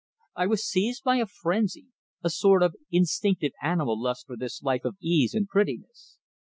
I was seized by a frenzy, a sort of instinctive animal lust for this life of ease and prettiness.